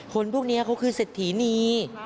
คนพวกนี้เขาคือเศรษฐีนี